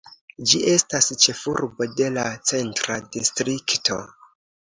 Ĝi estas ĉefurbo de la Centra distrikto.